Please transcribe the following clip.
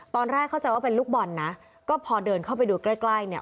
ตอนแรกเข้าใจว่าเป็นลูกบอลนะก็พอเดินเข้าไปดูใกล้ใกล้เนี่ย